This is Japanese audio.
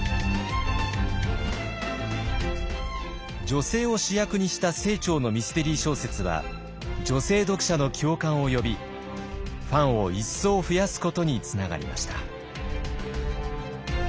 女性を主役にした清張のミステリー小説は女性読者の共感を呼びファンを一層増やすことにつながりました。